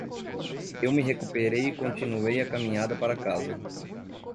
Eu me recuperei e continuei a caminhada para casa.